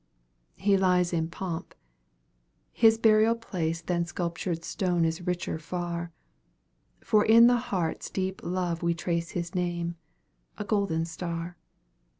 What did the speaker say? He lies in pomp his burial place Than sculptured stone is richer far; For in the heart's deep love we trace His name, a golden star.